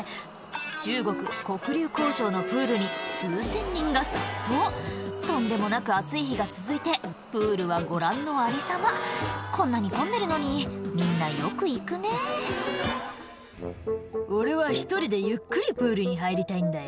中国黒竜江省のプールに数千人が殺到とんでもなく暑い日が続いてプールはご覧のありさまこんなに混んでるのにみんなよく行くね「俺は１人でゆっくりプールに入りたいんだよ」